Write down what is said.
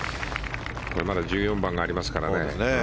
これ、まだ１４番がありますからね。